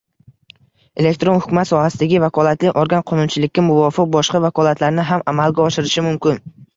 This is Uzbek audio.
Elektron hukumat sohasidagi vakolatli organ qonunchilikka muvofiq boshqa vakolatlarni ham amalga oshirishi mumkin.